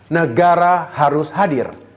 negara harus hadir